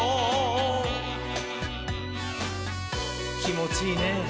きもちいいねぇ。